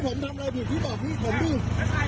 ไอ้เจนสอนออกประเวทดีกว่าพี่อย่างนี้ตาย